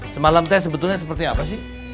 semalam teh sebetulnya seperti apa sih